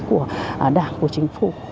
của đảng của chính phủ